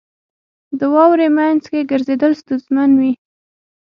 • د واورې مینځ کې ګرځېدل ستونزمن وي.